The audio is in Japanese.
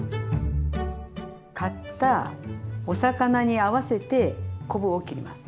買ったお魚に合わせて昆布を切ります。